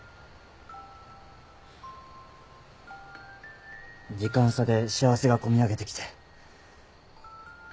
時間差で幸せが込み上げてきて。